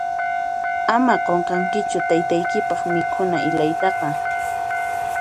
Ama qunqankichu taytaykipaq mikhuna ilaytaqa.